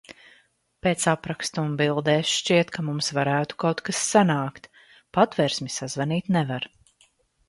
Pēc apraksta un bildēs šķiet, ka mums varētu kaut kas sanākt. Patversmi sazvanīt nevar.